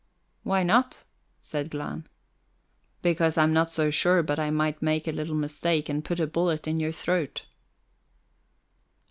"Why not?" said Glahn. "Because I'm not so sure but I might make a little mistake and put a bullet in your throat."